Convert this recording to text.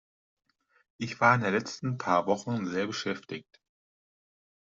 Ich war in den letzten paar Wochen sehr beschäftigt.